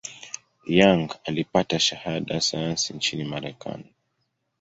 Young alipata shahada ya sayansi nchini Marekani.